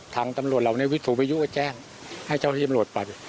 ทางตำรวจเราในวิธุพยุกร์แจ้งให้เจ้าทีมรวดไป